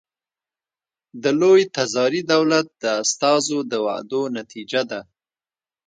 د لوی تزاري دولت د استازو د وعدو نتیجه ده.